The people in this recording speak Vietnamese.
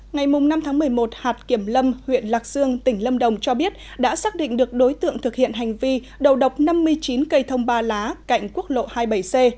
ngày năm tháng một mươi một hạt kiểm lâm huyện lạc dương tỉnh lâm đồng cho biết đã xác định được đối tượng thực hiện hành vi đầu độc năm mươi chín cây thông ba lá cạnh quốc lộ hai mươi bảy c